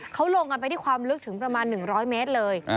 เขาลงกันไปที่ความลึกถึงประมาณ๑๐๐เมตรเลย